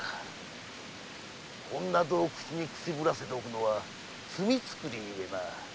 こんな洞窟にくすぶらせておくのは罪作りゆえな。